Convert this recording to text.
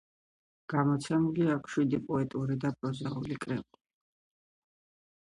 გამოცემული აქვს შვიდი პოეტური და პროზაული კრებული.